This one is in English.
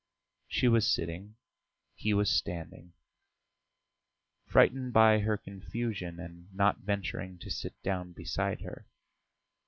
She was sitting, he was standing, frightened by her confusion and not venturing to sit down beside her.